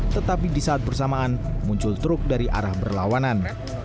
tetapi di saat bersamaan muncul truk dari arah berlawanan